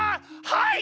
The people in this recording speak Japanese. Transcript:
はい！